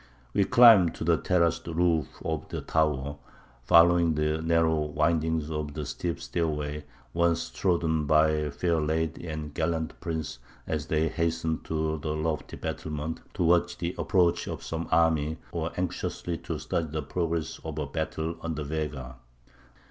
We climb to the terraced roof of the tower, following the narrow windings of the steep stairway once trodden by fair lady and gallant prince as they hastened to the lofty battlement to watch the approach of some army or anxiously to study the progress of a battle on the Vega.